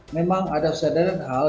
memang ada sederhana hal